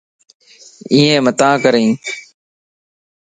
ايَ متان ڪرين